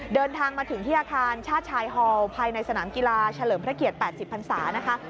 เดินทางมาถึงที่อาคารชาติชายฮอลภายในสนามกีฬาเฉลิมพระเกียรติ๘๐พันศานะคะ